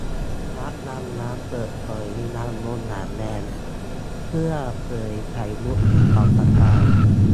นักดำน้ำเปิดหอยนางรมอย่างแรงเพื่อเผยไข่มุกที่ส่องประกาย